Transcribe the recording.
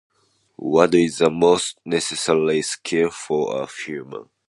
What is the most necessary skill for a human?